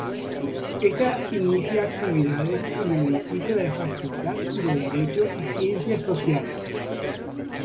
Esta inicia actividades en el edificio de la Facultad de Derecho y Ciencias Sociales.